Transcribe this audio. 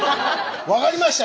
分かりました。